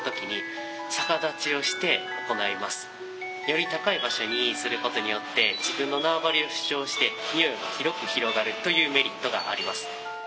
より高い場所にすることによって自分の縄張りを主張して匂いを広く広がるというメリットがあります。